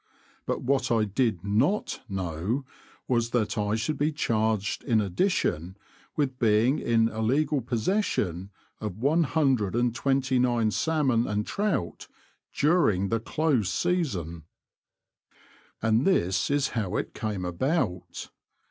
But what I did not know was that I should be charged, in addition, with being in illegal possession of one hundred and twenty nine salmon and trout during the close season. And this is how it came about.